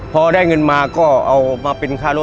พอได้เงินมาก็เอามาเป็นการทำงาน